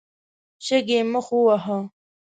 شګې يې مخ وواهه.